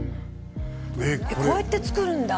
えっこれこうやって作るんだ